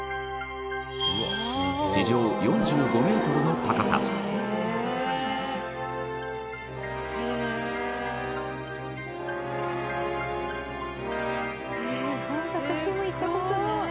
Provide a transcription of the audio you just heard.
地上４５ｍの高さ羽田：本当、私も行った事ない。